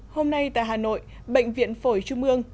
hôm nay tại hà nội bệnh viện phổi trung ương